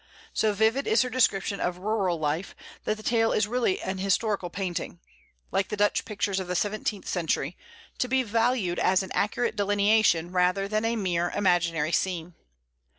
So vivid is her description of rural life, that the tale is really an historical painting, like the Dutch pictures of the seventeenth century, to be valued as an accurate delineation rather than a mere imaginary scene.